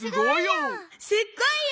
すっごいよ！